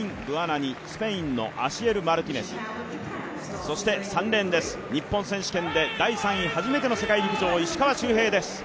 スペインのアシエル・マルティネスそして、３レーンです、日本選手権で第３位初めての世界陸上石川周平です。